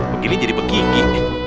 begini jadi begigi